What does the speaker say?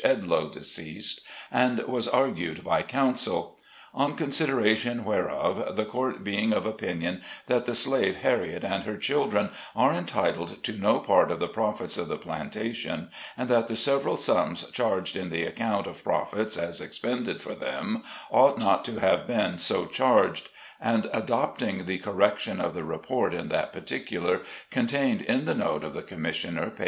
Edloe, deceased, and was argued by counsel : On consideration zvhereof, the court being of opinion that the slave Harriet and her children are entitled to no part of the profits of the plantation, and that the several sums charged in the account of profits as expended for them ought not to have been so charged ; and adopting the correction of the report in that particular, contained in the note of the Commissioner, p.